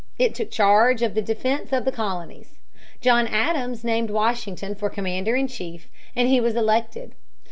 It took charge of the defense of the colonies. John Adams named Washington for commander in chief, and he was elected.